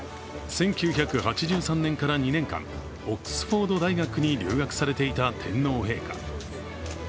１９８３年から２年間、オックスフォード大学に留学されていた天皇陛下。